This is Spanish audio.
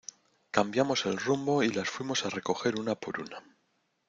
cambiamos el rumbo y las fuimos a recoger una por una